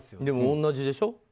でも同じでしょ。